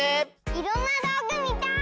いろんなどうぐみたい！